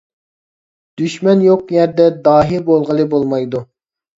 دۈشمەن يوق يەردە داھىي بولغىلى بولمايدۇ.